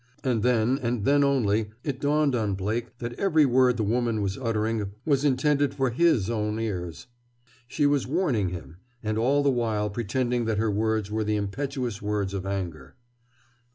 And then, and then only, it dawned on Blake that every word the woman was uttering was intended for his own ears. She was warning him, and all the while pretending that her words were the impetuous words of anger.